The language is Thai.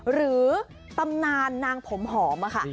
หรือตำนานนางผมหอมค่ะ